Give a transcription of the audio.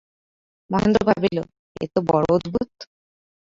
মহেন্দ্র ভাবিল, এ তো বড়ো অদ্ভুত।